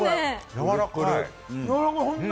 やわらかい！